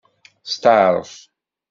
Steɛṛef.